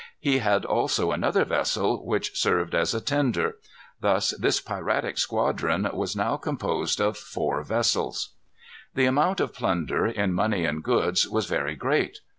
He had also another vessel, which served as a tender. Thus this piratic squadron was now composed of four vessels. The amount of plunder, in money and goods, was very great.